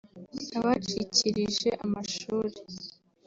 abacikirije amashuri